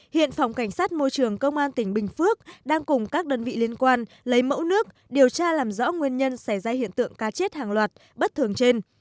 hiện phòng cảnh sát môi trường công an tỉnh bình phước đang cùng các đơn vị liên quan lấy mẫu nước điều tra làm rõ nguyên nhân xảy ra hiện tượng cá chết hàng loạt bất thường trên